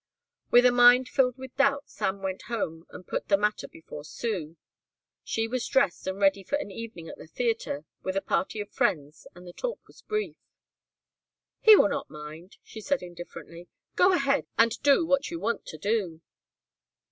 With a mind filled with doubt Sam went home and put the matter before Sue. She was dressed and ready for an evening at the theatre with a party of friends and the talk was brief. "He will not mind," she said indifferently. "Go ahead and do what you want to do."